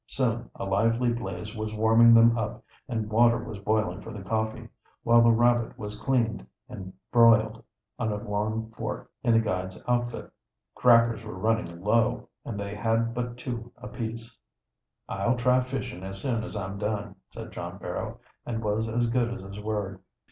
Soon a lively blaze was warming them up, and water was boiling for the coffee, while the rabbit was cleaned, and broiled on a long fork in the guide's outfit. Crackers were running low, and they had but two apiece. "I'll try fishing as soon as I'm done," said John Barrow, and was as good as his word.